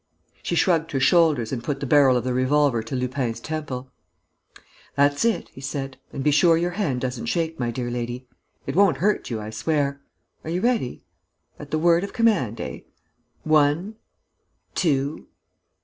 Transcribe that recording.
She shrugged her shoulders and put the barrel of the revolver to Lupin's temple. "That's it," he said, "and be sure your hand doesn't shake, my dear lady. It won't hurt you, I swear. Are you ready? At the word of command, eh? One ... two